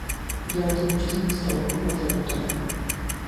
Durante muchos años trabajó como traductor.